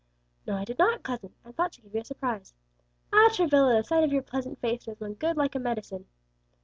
"No, I did not, cousin, and thought to give you a surprise. Ah, Travilla, the sight of your pleasant face does one good like a medicine.